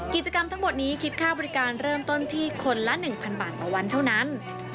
กิจกรรมทั้งหมดนี้คิดค่าบริการเริ่มต้นที่คนละ๑๐๐บาทต่อวันเท่านั้น